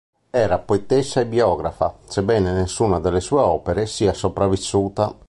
Era poetessa e biografa, sebbene nessuna delle sue opere sia sopravvissuta.